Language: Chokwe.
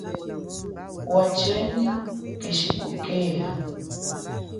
Wachenyi keshi kukeha.